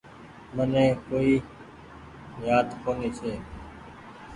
مني ڪونيٚ يآد ڇي۔